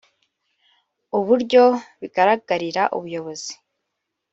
uburyo bigaragarira ubuyobozi